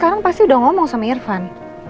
sekarang pasti udah ngomong sama irfan